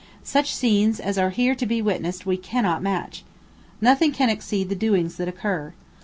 Such scenes as are here to be witnessed we cannot match. Nothing can exceed the doings that occur.